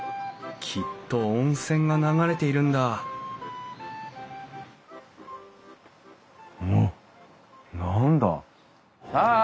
きっと温泉が流れているんだあっ？